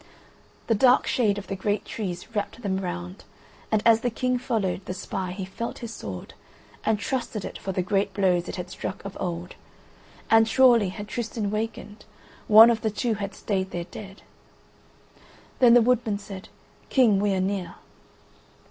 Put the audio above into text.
The dark shade of the great trees wrapt them round, and as the King followed the spy he felt his sword, and trusted it for the great blows it had struck of old; and surely had Tristan wakened, one of the two had stayed there dead. Then the woodman said: "King, we are near."